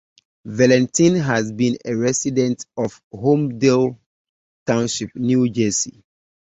Valentin has been a resident of Holmdel Township, New Jersey.